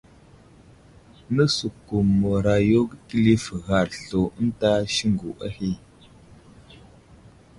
Nəsəkumərayo kəlif ghar slu ənta siŋgu ahe.